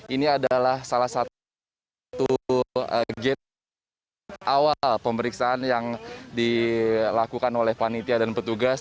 ini adalah salah satu gate awal pemeriksaan yang dilakukan oleh panitia dan petugas